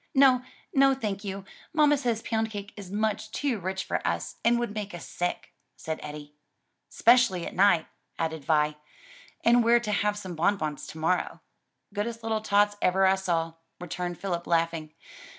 "No, no, thank you: mamma says pound cake is much too rich for us, and would make us sick," said Eddie. "'Specially at night," added Vi, "and we're to have some bonbons to morrow." "Goodest little tots ever I saw," returned Philip laughing.